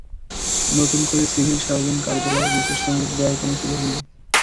নতুন করে civil surgeon কার্যালয়ে বিশেষ সংযোগ দেওয়ার কোনো সুযোগ নেই।